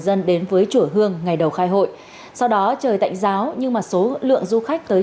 dân đến với chùa hương ngày đầu khai hội sau đó trời tạnh giáo nhưng mà số lượng du khách tới